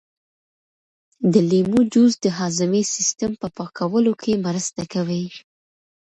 د لیمو جوس د هاضمې سیسټم په پاکولو کې مرسته کوي.